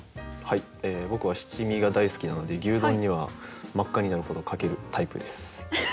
僕は七味が大好きなので牛丼には真っ赤になるほどかけるタイプです。